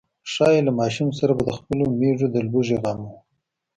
ښايي له ماشوم سره به د خپلو مېږو د لوږې غم و.